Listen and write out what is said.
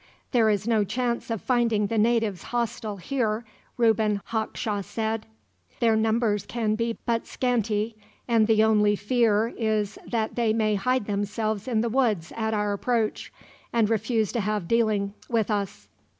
"There is no chance of finding the natives hostile here," Reuben Hawkshaw said. "Their numbers can be but scanty, and the only fear is that they may hide themselves in the woods at our approach, and refuse to have dealing with us.